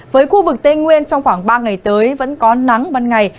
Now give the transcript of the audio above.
với khu vực tây nguyên trong khoảng ba ngày tới vẫn có nắng ban ngày